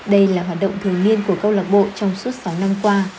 đây là hoạt động thường niên của câu lạc bộ trong suốt sáu năm qua